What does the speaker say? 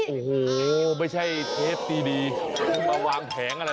โอ้โหไม่ใช่เทปดีมาวางแผงอะไร